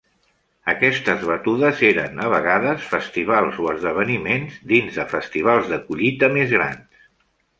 Aquestes batudes eren a vegades festivals o esdeveniments dins de festivals de collita més grans.